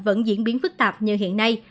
vẫn diễn biến phức tạp như hiện nay